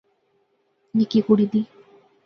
نکی کڑی دی